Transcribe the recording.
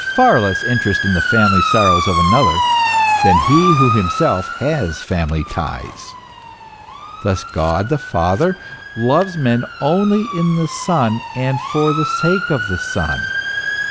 The single man takes far less interest in the family sorrows of another than he who himself has family ties. Thus God the Father loves men only in the Son and for the sake of the Son.